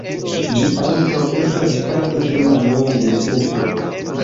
Ĝi ankaŭ estas parto de Manjoni-Distrikto.